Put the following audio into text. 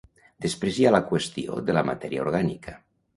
Després hi ha la qüestió de la matèria orgànica.